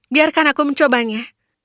biarkan aku mencobanya